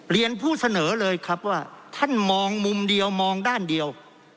เรียนผู้เสนอเลยครับว่าท่านมองมุมเดียวมองด้านเดียว